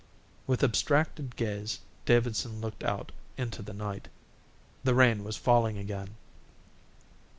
With abstracted gaze Davidson looked out into the night. The rain was falling again.